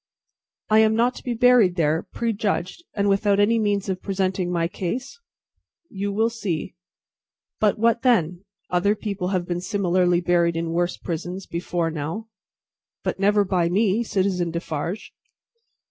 "I am not to be buried there, prejudged, and without any means of presenting my case?" "You will see. But, what then? Other people have been similarly buried in worse prisons, before now." "But never by me, Citizen Defarge."